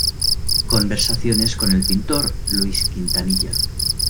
Conversaciones con el pintor Luis Quintanilla.